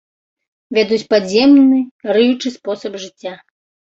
Вядуць падземны, рыючы спосаб жыцця.